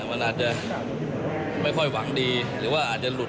มันอาจจะไม่ค่อยหวังดีหรือว่าอาจจะหลุด